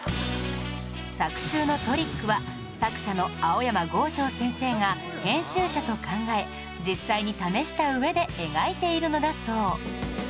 作中のトリックは作者の青山剛昌先生が編集者と考え実際に試した上で描いているのだそう